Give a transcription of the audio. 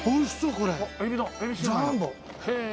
これ。